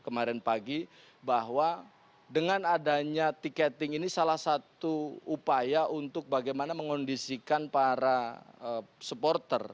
kemarin pagi bahwa dengan adanya tiketing ini salah satu upaya untuk bagaimana mengondisikan para supporter